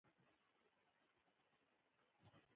د افغانستان نوم په تاریخ کې ځلیدلی دی.